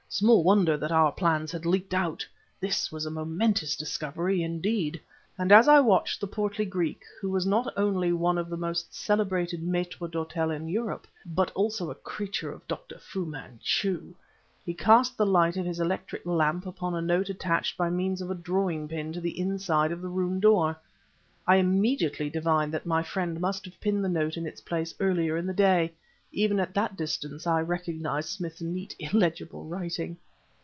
Small wonder that our plans had leaked out. This was a momentous discovery indeed. And as I watched the portly Greek who was not only one of the most celebrated mâitres d'hôtel in Europe, but also a creature of Dr. Fu Manchu, he cast the light of his electric lamp upon a note attached by means of a drawing pin to the inside of the room door. I immediately divined that my friend must have pinned the note in its place earlier in the day; even at that distance I recognized Smith's neat, illegible writing.